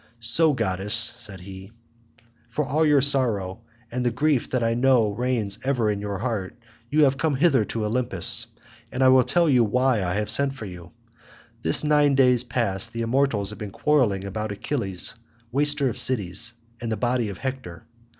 "So, goddess," said he, "for all your sorrow, and the grief that I well know reigns ever in your heart, you have come hither to Olympus, and I will tell you why I have sent for you. This nine days past the immortals have been quarrelling about Achilles waster of cities and the body of Hector.